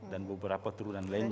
dan beberapa turunan lainnya